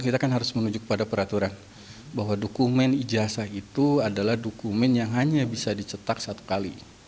kita akan harus menunjuk pada peraturan bahwa dokumen ijasa itu adalah dokumen yang hanya bisa dicetak satu kali